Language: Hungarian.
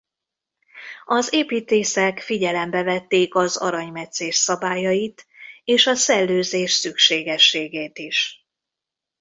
Az építészek figyelembe vették az aranymetszés szabályait és a szellőzés szükségességét is.